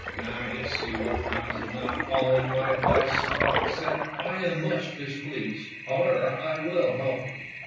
"Now you see what comes of not follow ing my advice," the fox said. "I am much displeased. However, I will help you.